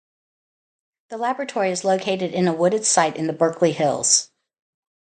The Laboratory is located in a wooded site in the Berkeley Hills.